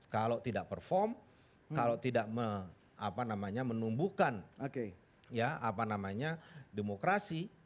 kalau tidak perform kalau tidak menumbuhkan demokrasi